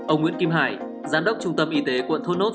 ông nguyễn kim hải giám đốc trung tâm y tế quận thốt nốt